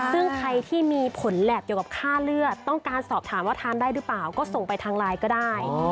ซึ่งใครที่มีผลแหลบเกี่ยวกับค่าเลือดต้องการสอบถามว่าทานได้หรือเปล่าก็ส่งไปทางไลน์ก็ได้